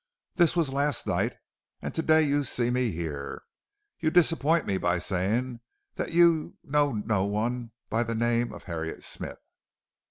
This was last night, and to day you see me here. You disappoint me by saying that you know no one by the name of Harriet Smith."